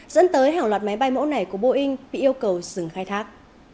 dẫn tới hàng loạt máy bay mẫu nảy của boeing bị yêu cầu dừng khai thác